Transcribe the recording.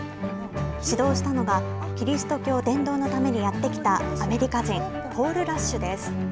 指導したのが、キリスト教伝道のためにやって来たアメリカ人、ポール・ラッシュです。